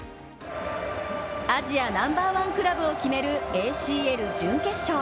アジアナンバーワンクラブを決めるＡＣＬ準決勝。